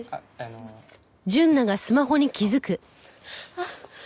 あっ。